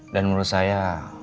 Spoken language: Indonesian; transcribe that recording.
dan menurut saya